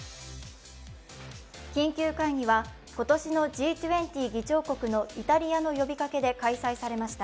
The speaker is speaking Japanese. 緊急会議は今年のＧ２０議長国のイタリアの呼びかけで開催されました。